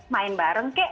main bareng kek